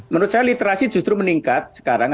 menurut saya literasi justru meningkat sekarang